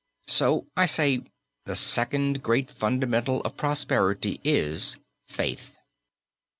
So I say, the second great fundamental of prosperity is Faith.